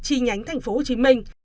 chi nhánh thành phố hồ chí minh